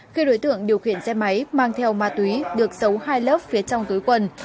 khi đối tượng điều khiển xe máy mang theo ma túy được xấu hai lớp phía trong túi quần